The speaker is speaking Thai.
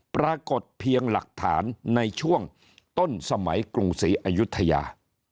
ปรากฏเพียงหลักฐานในช่วงต้นสมัยกรุงศรีอายุทยา